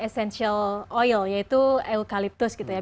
essential oil yaitu eukaliptus gitu ya